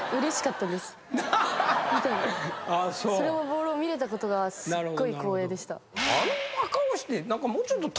ボールを見れたことがすっごい光栄でした。